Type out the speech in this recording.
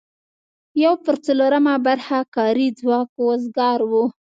یو پر څلورمه برخه کاري ځواک وزګار و.